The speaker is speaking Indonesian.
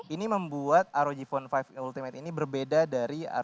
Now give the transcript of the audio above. ini membuat rog phone lima ultimate ini berbeda dari